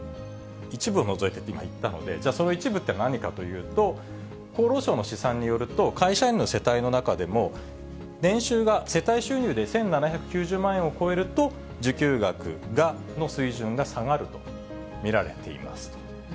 一部を除いてって今言ったので、じゃあ、その一部って何かというと、厚労省の試算によると、会社員の世帯の中でも、年収が、世帯収入で１７９０万円を超えると、受給額の水準が下がると見られています。